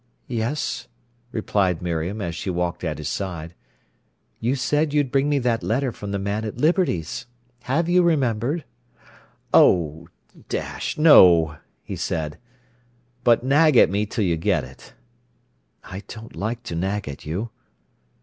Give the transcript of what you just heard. "Yes," replied Miriam, as she walked at his side. "You said you'd bring me that letter from the man at Liberty's. Have you remembered?" "Oh, dash, no!" he said. "But nag at me till you get it." "I don't like to nag at you."